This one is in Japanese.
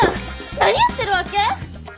何やってるわけ？